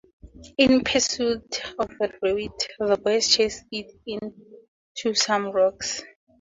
In pursuit of the rabbit the boys chased it into some rocks.